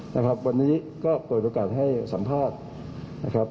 นะครับวันนี้ก็เปิดโอกาสให้สัมภาษณ์นะครับ